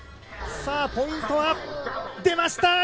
ポイントは、出ました！